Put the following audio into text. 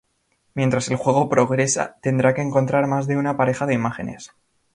Mientras el juego progresa, tendrá que encontrar más de una pareja de imágenes.